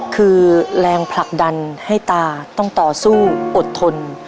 คือแรงผลักดันให้ตาต้องต่อสู้อดทน